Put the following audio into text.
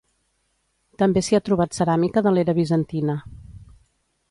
També s'hi ha trobat ceràmica de l'era bizantina.